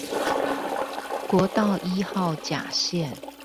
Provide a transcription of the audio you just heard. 國道一號甲線